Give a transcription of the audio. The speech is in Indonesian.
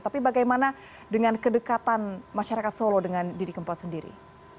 tapi bagaimana dengan kedekatan masyarakat solo dengan didi kempot sendiri